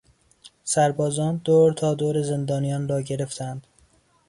سربازان دور تا دور زندانیان را گرفتند.